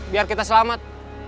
biar kita selamat